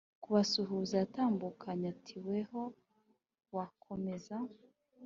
kubasuhuza yatambukanye ati"weho wakomeza